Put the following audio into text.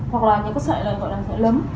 hoặc là những cái sợi là gọi là sợi lắm